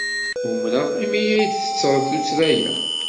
Umreɣ imi ay d-tettred tuttra-a.